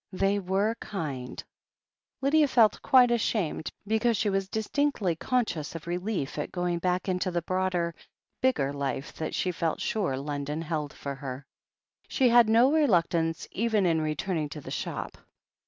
They were kind ! Lydia felt quite ashamed, because she was distinctly conscious of relief at going back into the broader, bigger life that she felt sure London held for her. She had no reluctance even in returning to the shop.